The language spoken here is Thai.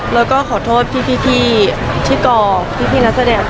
แล้วก็ขอโทษพี่ที่กอพี่นักแสดง